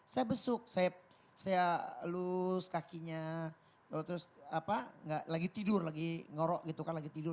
saya besuk saya lus kakinya terus apa nggak lagi tidur lagi ngorok gitu kan lagi tidur